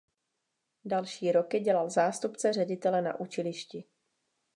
Další roky dělal zástupce ředitele na učilišti.